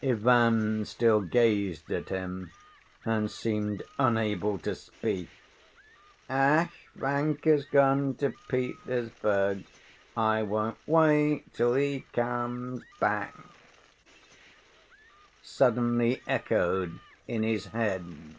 Ivan still gazed at him, and seemed unable to speak. Ach, Vanka's gone to Petersburg; I won't wait till he comes back, suddenly echoed in his head.